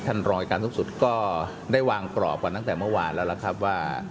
ท่านรองรายการทรุกสุดก็ได้วางกรอกว่านั้นแต่เมื่อวานแล้วละครับว่า